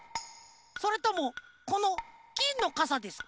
それともこのきんのかさですか？